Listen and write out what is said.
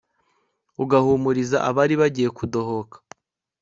ugahumuriza abari bagiye kudohoka